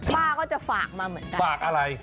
ป้าก็จะฝากมาเหมือนกัน